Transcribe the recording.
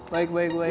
baik baik baik